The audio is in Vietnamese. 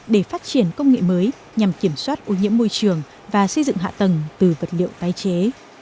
để phát triển công nghệ mới nhằm kiểm soát ô nhiễm môi trường và xây dựng hạ tầng từ vật liệu tái chế